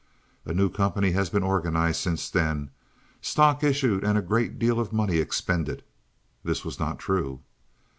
A new company has been organized since then, stock issued, and a great deal of money expended." (This was not true.)